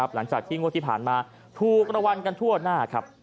หลังจากที่งวดที่ผ่านมาถูกรวรรณ์กันทั่วหน้า